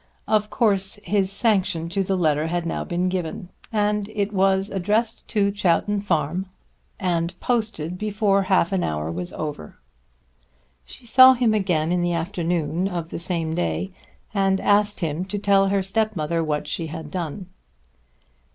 Of course his sanction to the letter had now been given, and it was addressed to Chowton Farm and posted before half an hour was over. She saw him again in the afternoon of the same day and asked him to tell her stepmother what she had done.